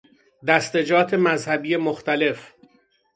دستجات مذهبی مختلف